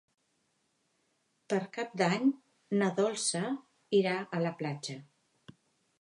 Per Cap d'Any na Dolça irà a la platja.